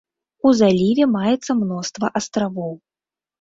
У заліве маецца мноства астравоў.